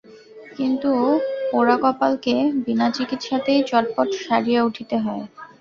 কিন্তু পোড়াকপালকে বিনাচিকিৎসাতেই চটপট সারিয়া উঠিতে হয়।